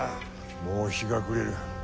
もう日が暮れる。